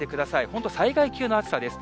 本当、災害級の暑さです。